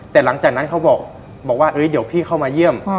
แต่หลังจากนั้นเขาบอกว่าเดี๋ยวพี่เข้ามาเยี่ยม